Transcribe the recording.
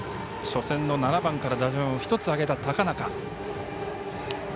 初戦の７番から打順を１つ上げた、高中。